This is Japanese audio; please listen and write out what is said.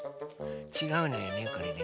ちがうのよねこれね。